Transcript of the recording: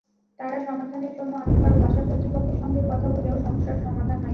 তাঁরা সমাধানের জন্য অনেকবার ওয়াসা কর্তৃপক্ষের সঙ্গে কথা বললেও সমস্যার সমাধান হয়নি।